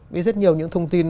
vì rất nhiều những thông tin